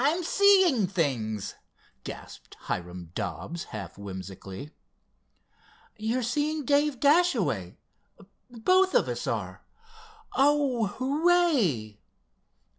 I'm seeing things!" gasped Hiram Dobbs, half whimsically. "You're seeing Dave Dashaway. Both of us are. Oh, hooray!"